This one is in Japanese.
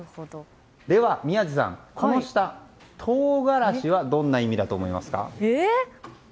では、宮司さん、唐辛子はどんな意味だと思いますか？